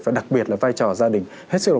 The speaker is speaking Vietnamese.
và đặc biệt là vai trò gia đình hết sức là